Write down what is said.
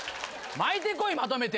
巻いてこいまとめて。